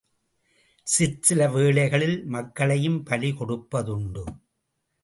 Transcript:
சிற்சில வேளைகளில் மக்களையும் பலி கொடுப்பதுண்டு.